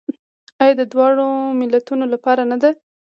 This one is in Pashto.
آیا د دواړو ملتونو لپاره نه ده؟